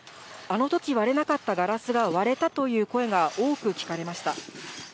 あのとき割れなかったガラスが割れたという声が多く聞かれました。